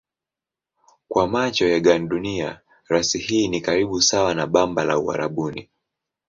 Kwa macho ya gandunia rasi hii ni karibu sawa na bamba la Uarabuni.